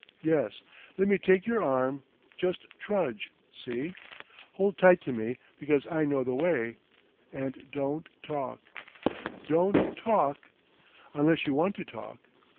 Yes, let me take your arm. Just trudge. See? Hold tight to me because I know the way—and don't talk—don't talk. Unless you want to talk....